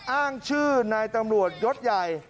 อ้างชื่อนายตำรวจยศใหญ่